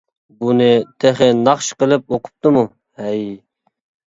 بۇنى تېخى ناخشا قىلىپ ئوقۇپتىمۇ؟ ھەي!